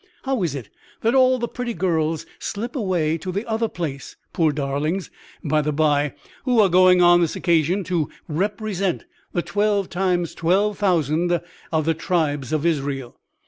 How is it that all the pretty girls slip away to the other place, poor darlings? By the bye, who are going on this occasion to represent the twelve times twelve thousand of the tribes of Israel?